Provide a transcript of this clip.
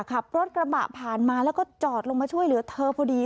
ขับรถกระบะผ่านมาแล้วก็จอดลงมาช่วยเหลือเธอพอดี